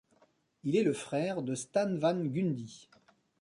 Il est le frère de Stan Van Gundy.